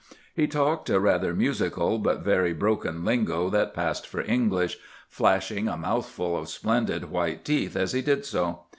He talked a rather musical but very broken lingo that passed for English, flashing a mouthful of splendid white teeth as he did so.